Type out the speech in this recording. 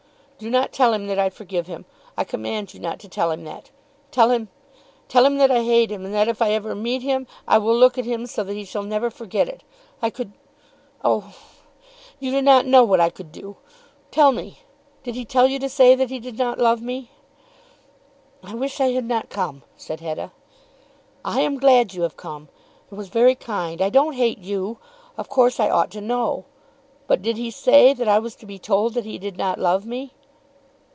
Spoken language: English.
Do not tell him that I forgive him. I command you not to tell him that. Tell him, tell him, that I hate him, and that if I ever meet him, I will look at him so that he shall never forget it. I could, oh! you do not know what I could do. Tell me; did he tell you to say that he did not love me?" "I wish I had not come," said Hetta. "I am glad you have come. It was very kind. I don't hate you. Of course I ought to know. But did he say that I was to be told that he did not love me?"